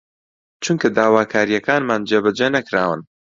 چونکە داواکارییەکانمان جێبەجێ نەکراون